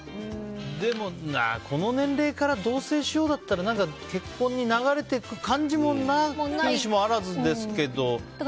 でも、この年齢から同棲しようって結婚に流れていく可能性もなきにしもあらずですけど。